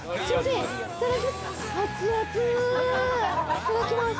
いただきます。